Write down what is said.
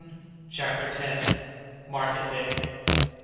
CHAPTER X. MARKET DAY.